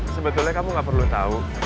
sebetulnya kamu gak perlu tahu